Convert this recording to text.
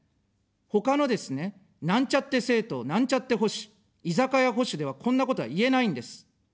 ほかのですね、なんちゃって政党、なんちゃって保守、居酒屋保守では、こんなことは言えないんです。